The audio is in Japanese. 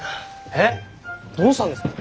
えっどうしたんですか？